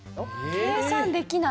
計算できない。